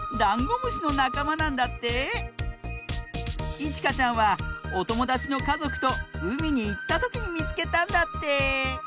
いちかちゃんはおともだちのかぞくとうみにいったときにみつけたんだって！